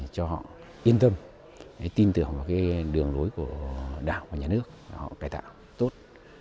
cho họ yên tâm tin tưởng vào cái đường lối của đảng và nhà nước họ cải tạo tốt